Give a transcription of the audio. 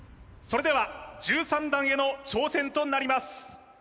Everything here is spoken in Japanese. それでは１３段への挑戦となります